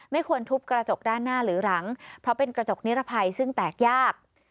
ไม่ควรทุบกระจกด้านหน้าหรือหลังเพราะเป็นกระจกนิรภัยซึ่งแตกยาก